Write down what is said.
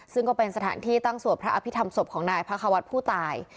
ซึ่งก็เป็นสถานที่ตั้งสวดพระอภิษฐรรมศพของนายพระควัฒน์ผู้ตาย